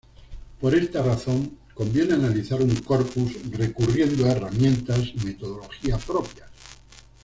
Por esta razón conviene analizar un corpus recurriendo a herramientas y metodología propias.